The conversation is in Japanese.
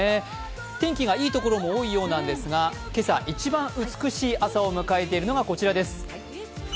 天気がいいところも多いようなんですが、今朝、一番美しい朝を迎えているのがこちらです。